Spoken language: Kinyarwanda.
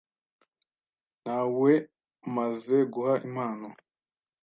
Nawemaze guha impano.